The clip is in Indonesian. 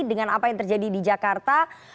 dengan apa yang terjadi di jakarta